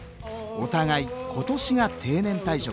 お互い今年が定年退職。